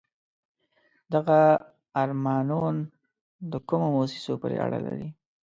دغه آرمانون د کومو موسسو پورې اړه لري؟